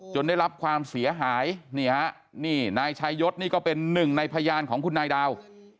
ได้รับความเสียหายนี่ฮะนี่นายชายศนี่ก็เป็นหนึ่งในพยานของคุณนายดาว